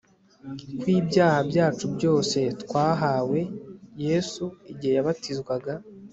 ko ibyaha byacu byose twahawe Yesu igihe yabatizwaga